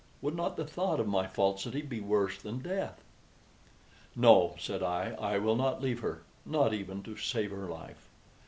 Would not the thought of my falsity be worse than death? "No," said I, "I will not leave her not even to save her life.